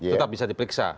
tetap bisa diperiksa